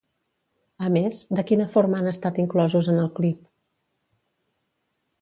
A més, de quina forma han estat inclosos en el clip?